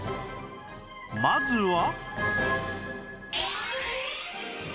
まずは